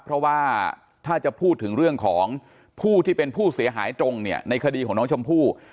เพราะว่าถ้าจะพูดถึงเรื่องของผู้ที่เป็นผู้เสียหายตรงเนี่ยในคดีของน้องชมพู่